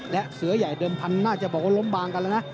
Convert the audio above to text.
และเสือใหญ่เดิมพันธุ์น่าจะบอกว่าล้มบางกันแล้วนะ